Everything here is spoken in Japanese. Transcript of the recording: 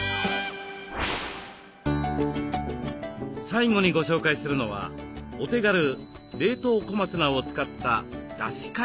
最後にご紹介するのはお手軽冷凍小松菜を使っただし解凍。